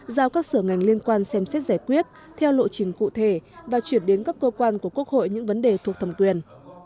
giao các sở ngành liên quan xem xét giải quyết theo lộ trình cụ thể và chuyển đến các cơ quan của quốc hội những vấn đề thuộc thẩm quyền